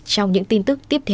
trong những tin tức tiếp theo